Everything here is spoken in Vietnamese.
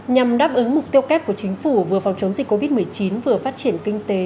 nhằm đáp ứng mục tiêu kép của chính phủ vừa phòng chống dịch covid một mươi chín vừa phát triển kinh tế